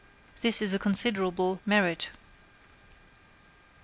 This is a considerable merit.